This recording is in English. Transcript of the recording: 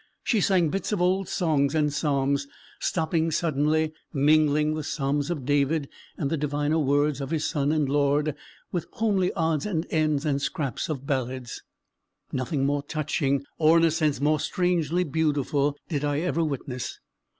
she sang bits of old songs and Psalms, stopping suddenly, mingling the Psalms of David and the diviner words of his Son and Lord, with homely odds and ends and scraps of ballads. Nothing more touching, or in a sense more strangely beautiful, did I ever witness.